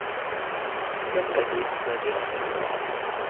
因為每次上英文堂都可以玩遊戲